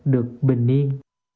được bình yên